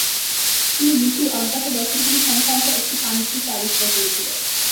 তিনি যিশুর অজ্ঞাত বছরগুলি সংক্রান্ত একটি পাণ্ডুলিপি আবিষ্কার করেছিলেন।